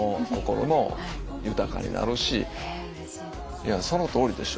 いやそのとおりでしょ。